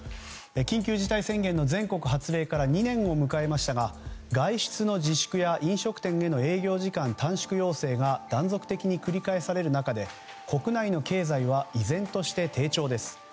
緊急事態宣言の全国発令から２年を迎えましたが外出の自粛や飲食店への営業時間短縮要請が断続的に繰り返される中で国内の経済は依然として低調です。